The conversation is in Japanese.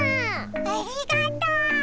ありがとう！